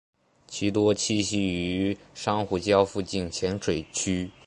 其多栖息于珊瑚礁附近浅水区。